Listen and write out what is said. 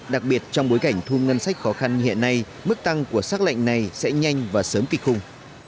đặc biệt trong bối cảnh thu ngân sách khó khăn như hiện nay mức tăng của xác lệnh này sẽ nhanh và sớm kịch khung